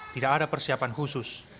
tidak ada persiapan khusus